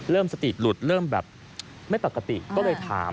สติหลุดเริ่มแบบไม่ปกติก็เลยถาม